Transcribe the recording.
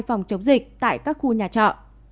phòng chống dịch tại các khu nhà trọ